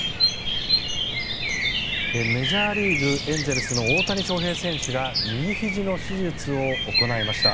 メジャーリーグエンゼルスの大谷翔平選手が右ひじの手術を行いました。